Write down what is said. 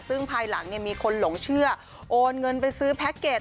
ซึ่งภายหลังมีคนหลงเชื่อโอนเงินไปซื้อแพ็คเกจ